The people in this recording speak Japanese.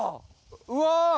うわ！